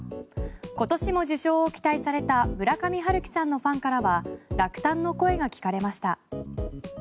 今年も受賞を期待された村上春樹さんのファンからは落胆の声が聞かれました。